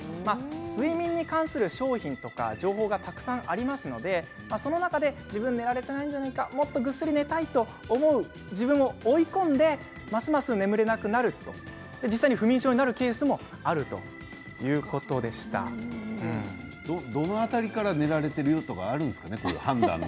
睡眠に関する商品とか情報がたくさんありますのでその中で自分寝られていないんじゃないかってもっとぐっすり寝たいと自分を追い込んでますます眠れなくなる実際に不眠症になるケースもどの辺りから寝られているよという判断があるんですか？